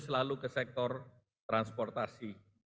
selalu ke sektor transportasi